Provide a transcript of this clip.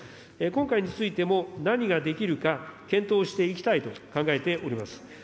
今回についても何ができるか、検討していきたいと考えております。